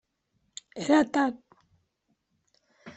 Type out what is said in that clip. Era tard.